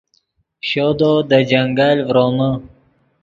شودو دے جنگل ڤرومے